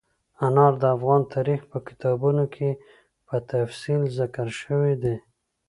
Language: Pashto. انار د افغان تاریخ په کتابونو کې په تفصیل ذکر شوي دي.